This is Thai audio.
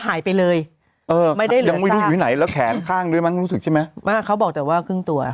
หายไปเลยยังไม่รู้ไหนแล้วแขนข้างรู้สึก